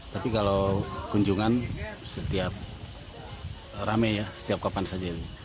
tapi kalau kunjungan setiap rame ya setiap kapan saja